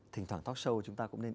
thỉnh thoảng talk show chúng ta cũng nên